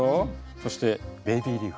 そしてベビーリーフ。